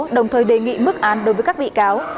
đồng thời đề nghị mức án đối với các bị cáo